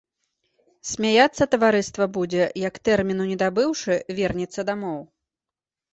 Смяяцца таварыства будзе, як, тэрміну не дабыўшы, вернецца дамоў.